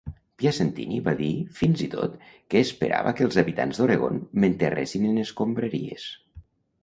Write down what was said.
Piacentini va dir fins i tot que esperava que els habitants d'Oregon "m'enterressin en escombraries".